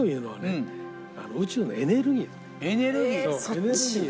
エネルギー？